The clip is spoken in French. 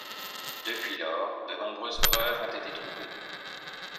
Depuis lors, de nombreuses preuves ont été trouvées.